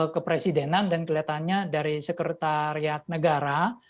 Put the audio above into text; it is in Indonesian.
kepresidenan dan kelihatannya dari sekretariat negara